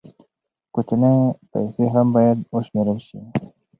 کوچنۍ پیسې هم باید وشمېرل شي.